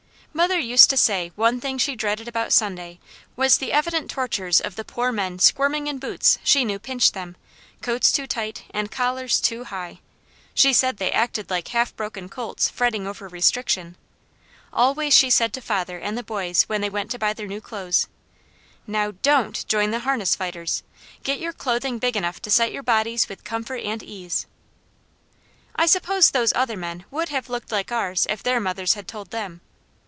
Mother used to say one thing she dreaded about Sunday was the evident tortures of the poor men squirming in boots she knew pinched them, coats too tight, and collars too high. She said they acted like half broken colts fretting over restriction. Always she said to father and the boys when they went to buy their new clothes: "Now, DON'T join the harness fighters! Get your clothing big enough to set your bodies with comfort and ease." I suppose those other men would have looked like ours if their mothers had told them.